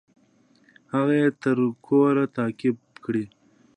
هغه يې تر کوره تعقيب کړى.